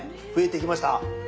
増えてきました。